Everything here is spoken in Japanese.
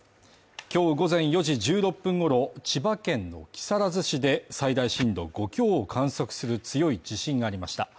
今日午前４時１６分頃、千葉県の木更津市で最大震度５強を観測する強い地震がありました。